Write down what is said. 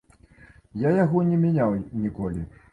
Я яго не мяняў ніколі.